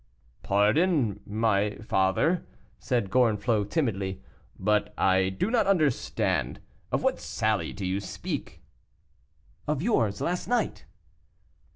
"Pardon, my father," said Gorenflot, timidly, "but I do not understand. Of what sally do you speak?" "Of yours last night."